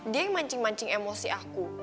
dia yang mancing mancing emosi aku